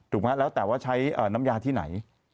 แล้วแต่ว่าใช้น้ำยาที่ไหน